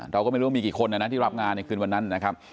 เราก็ไม่รู้ว่ามีกี่คนนะนะที่รับงานในคืนวันนั้นนะครับ